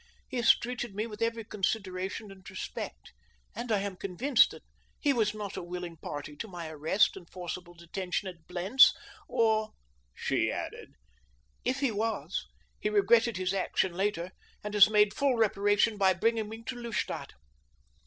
"He has treated me with every consideration and respect, and I am convinced that he was not a willing party to my arrest and forcible detention at Blentz; or," she added, "if he was, he regretted his action later and has made full reparation by bringing me to Lustadt."